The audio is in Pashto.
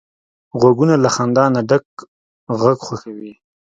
غوږونه له خندا ډک غږ خوښوي